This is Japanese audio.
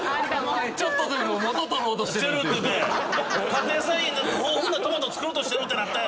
家庭菜園で豊富なトマト作ろうとしてるってなって。